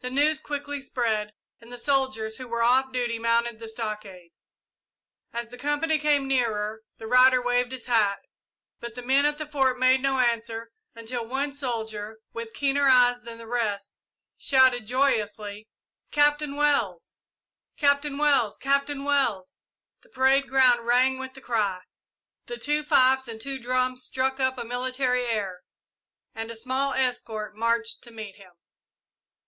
The news quickly spread, and the soldiers who were off duty mounted the stockade. As the company came nearer, the rider waved his hat, but the men at the Fort made no answer until one soldier, with keener eyes than the rest, shouted joyously, "Captain Wells!" "Captain Wells! Captain Wells!" The parade ground rang with the cry. The two fifes and two drums struck up a military air, and a small escort marched to meet him.